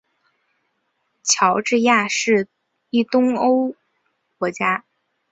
乔治亚是一东欧国家。